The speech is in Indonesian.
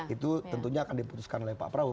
itu tentunya akan diputuskan oleh pak prabowo